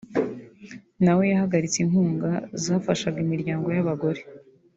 na we yahagaritse inkunga zafashaga imiryango y’abagore